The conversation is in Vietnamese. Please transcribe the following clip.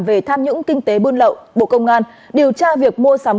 về tham nhũng kinh tế buôn lậu bộ công an điều tra việc mua sắm